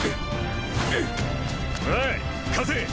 おい貸せ。